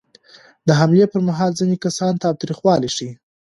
د حملې پر مهال ځینې کسان تاوتریخوالی ښيي.